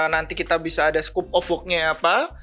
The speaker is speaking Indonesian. nanti kita bisa ada scoop of worknya apa